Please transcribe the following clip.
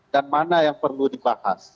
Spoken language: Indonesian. dan mana yang perlu dibahas